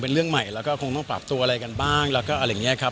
ผมยืนยัน๑๐๐ว่าผมไม่เคยผิดสัญญาครับ